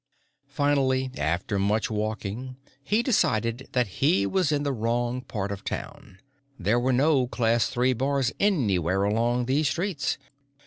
Finally, after much walking, he decided that he was in the wrong part of town. There were no Class Three bars anywhere along these streets.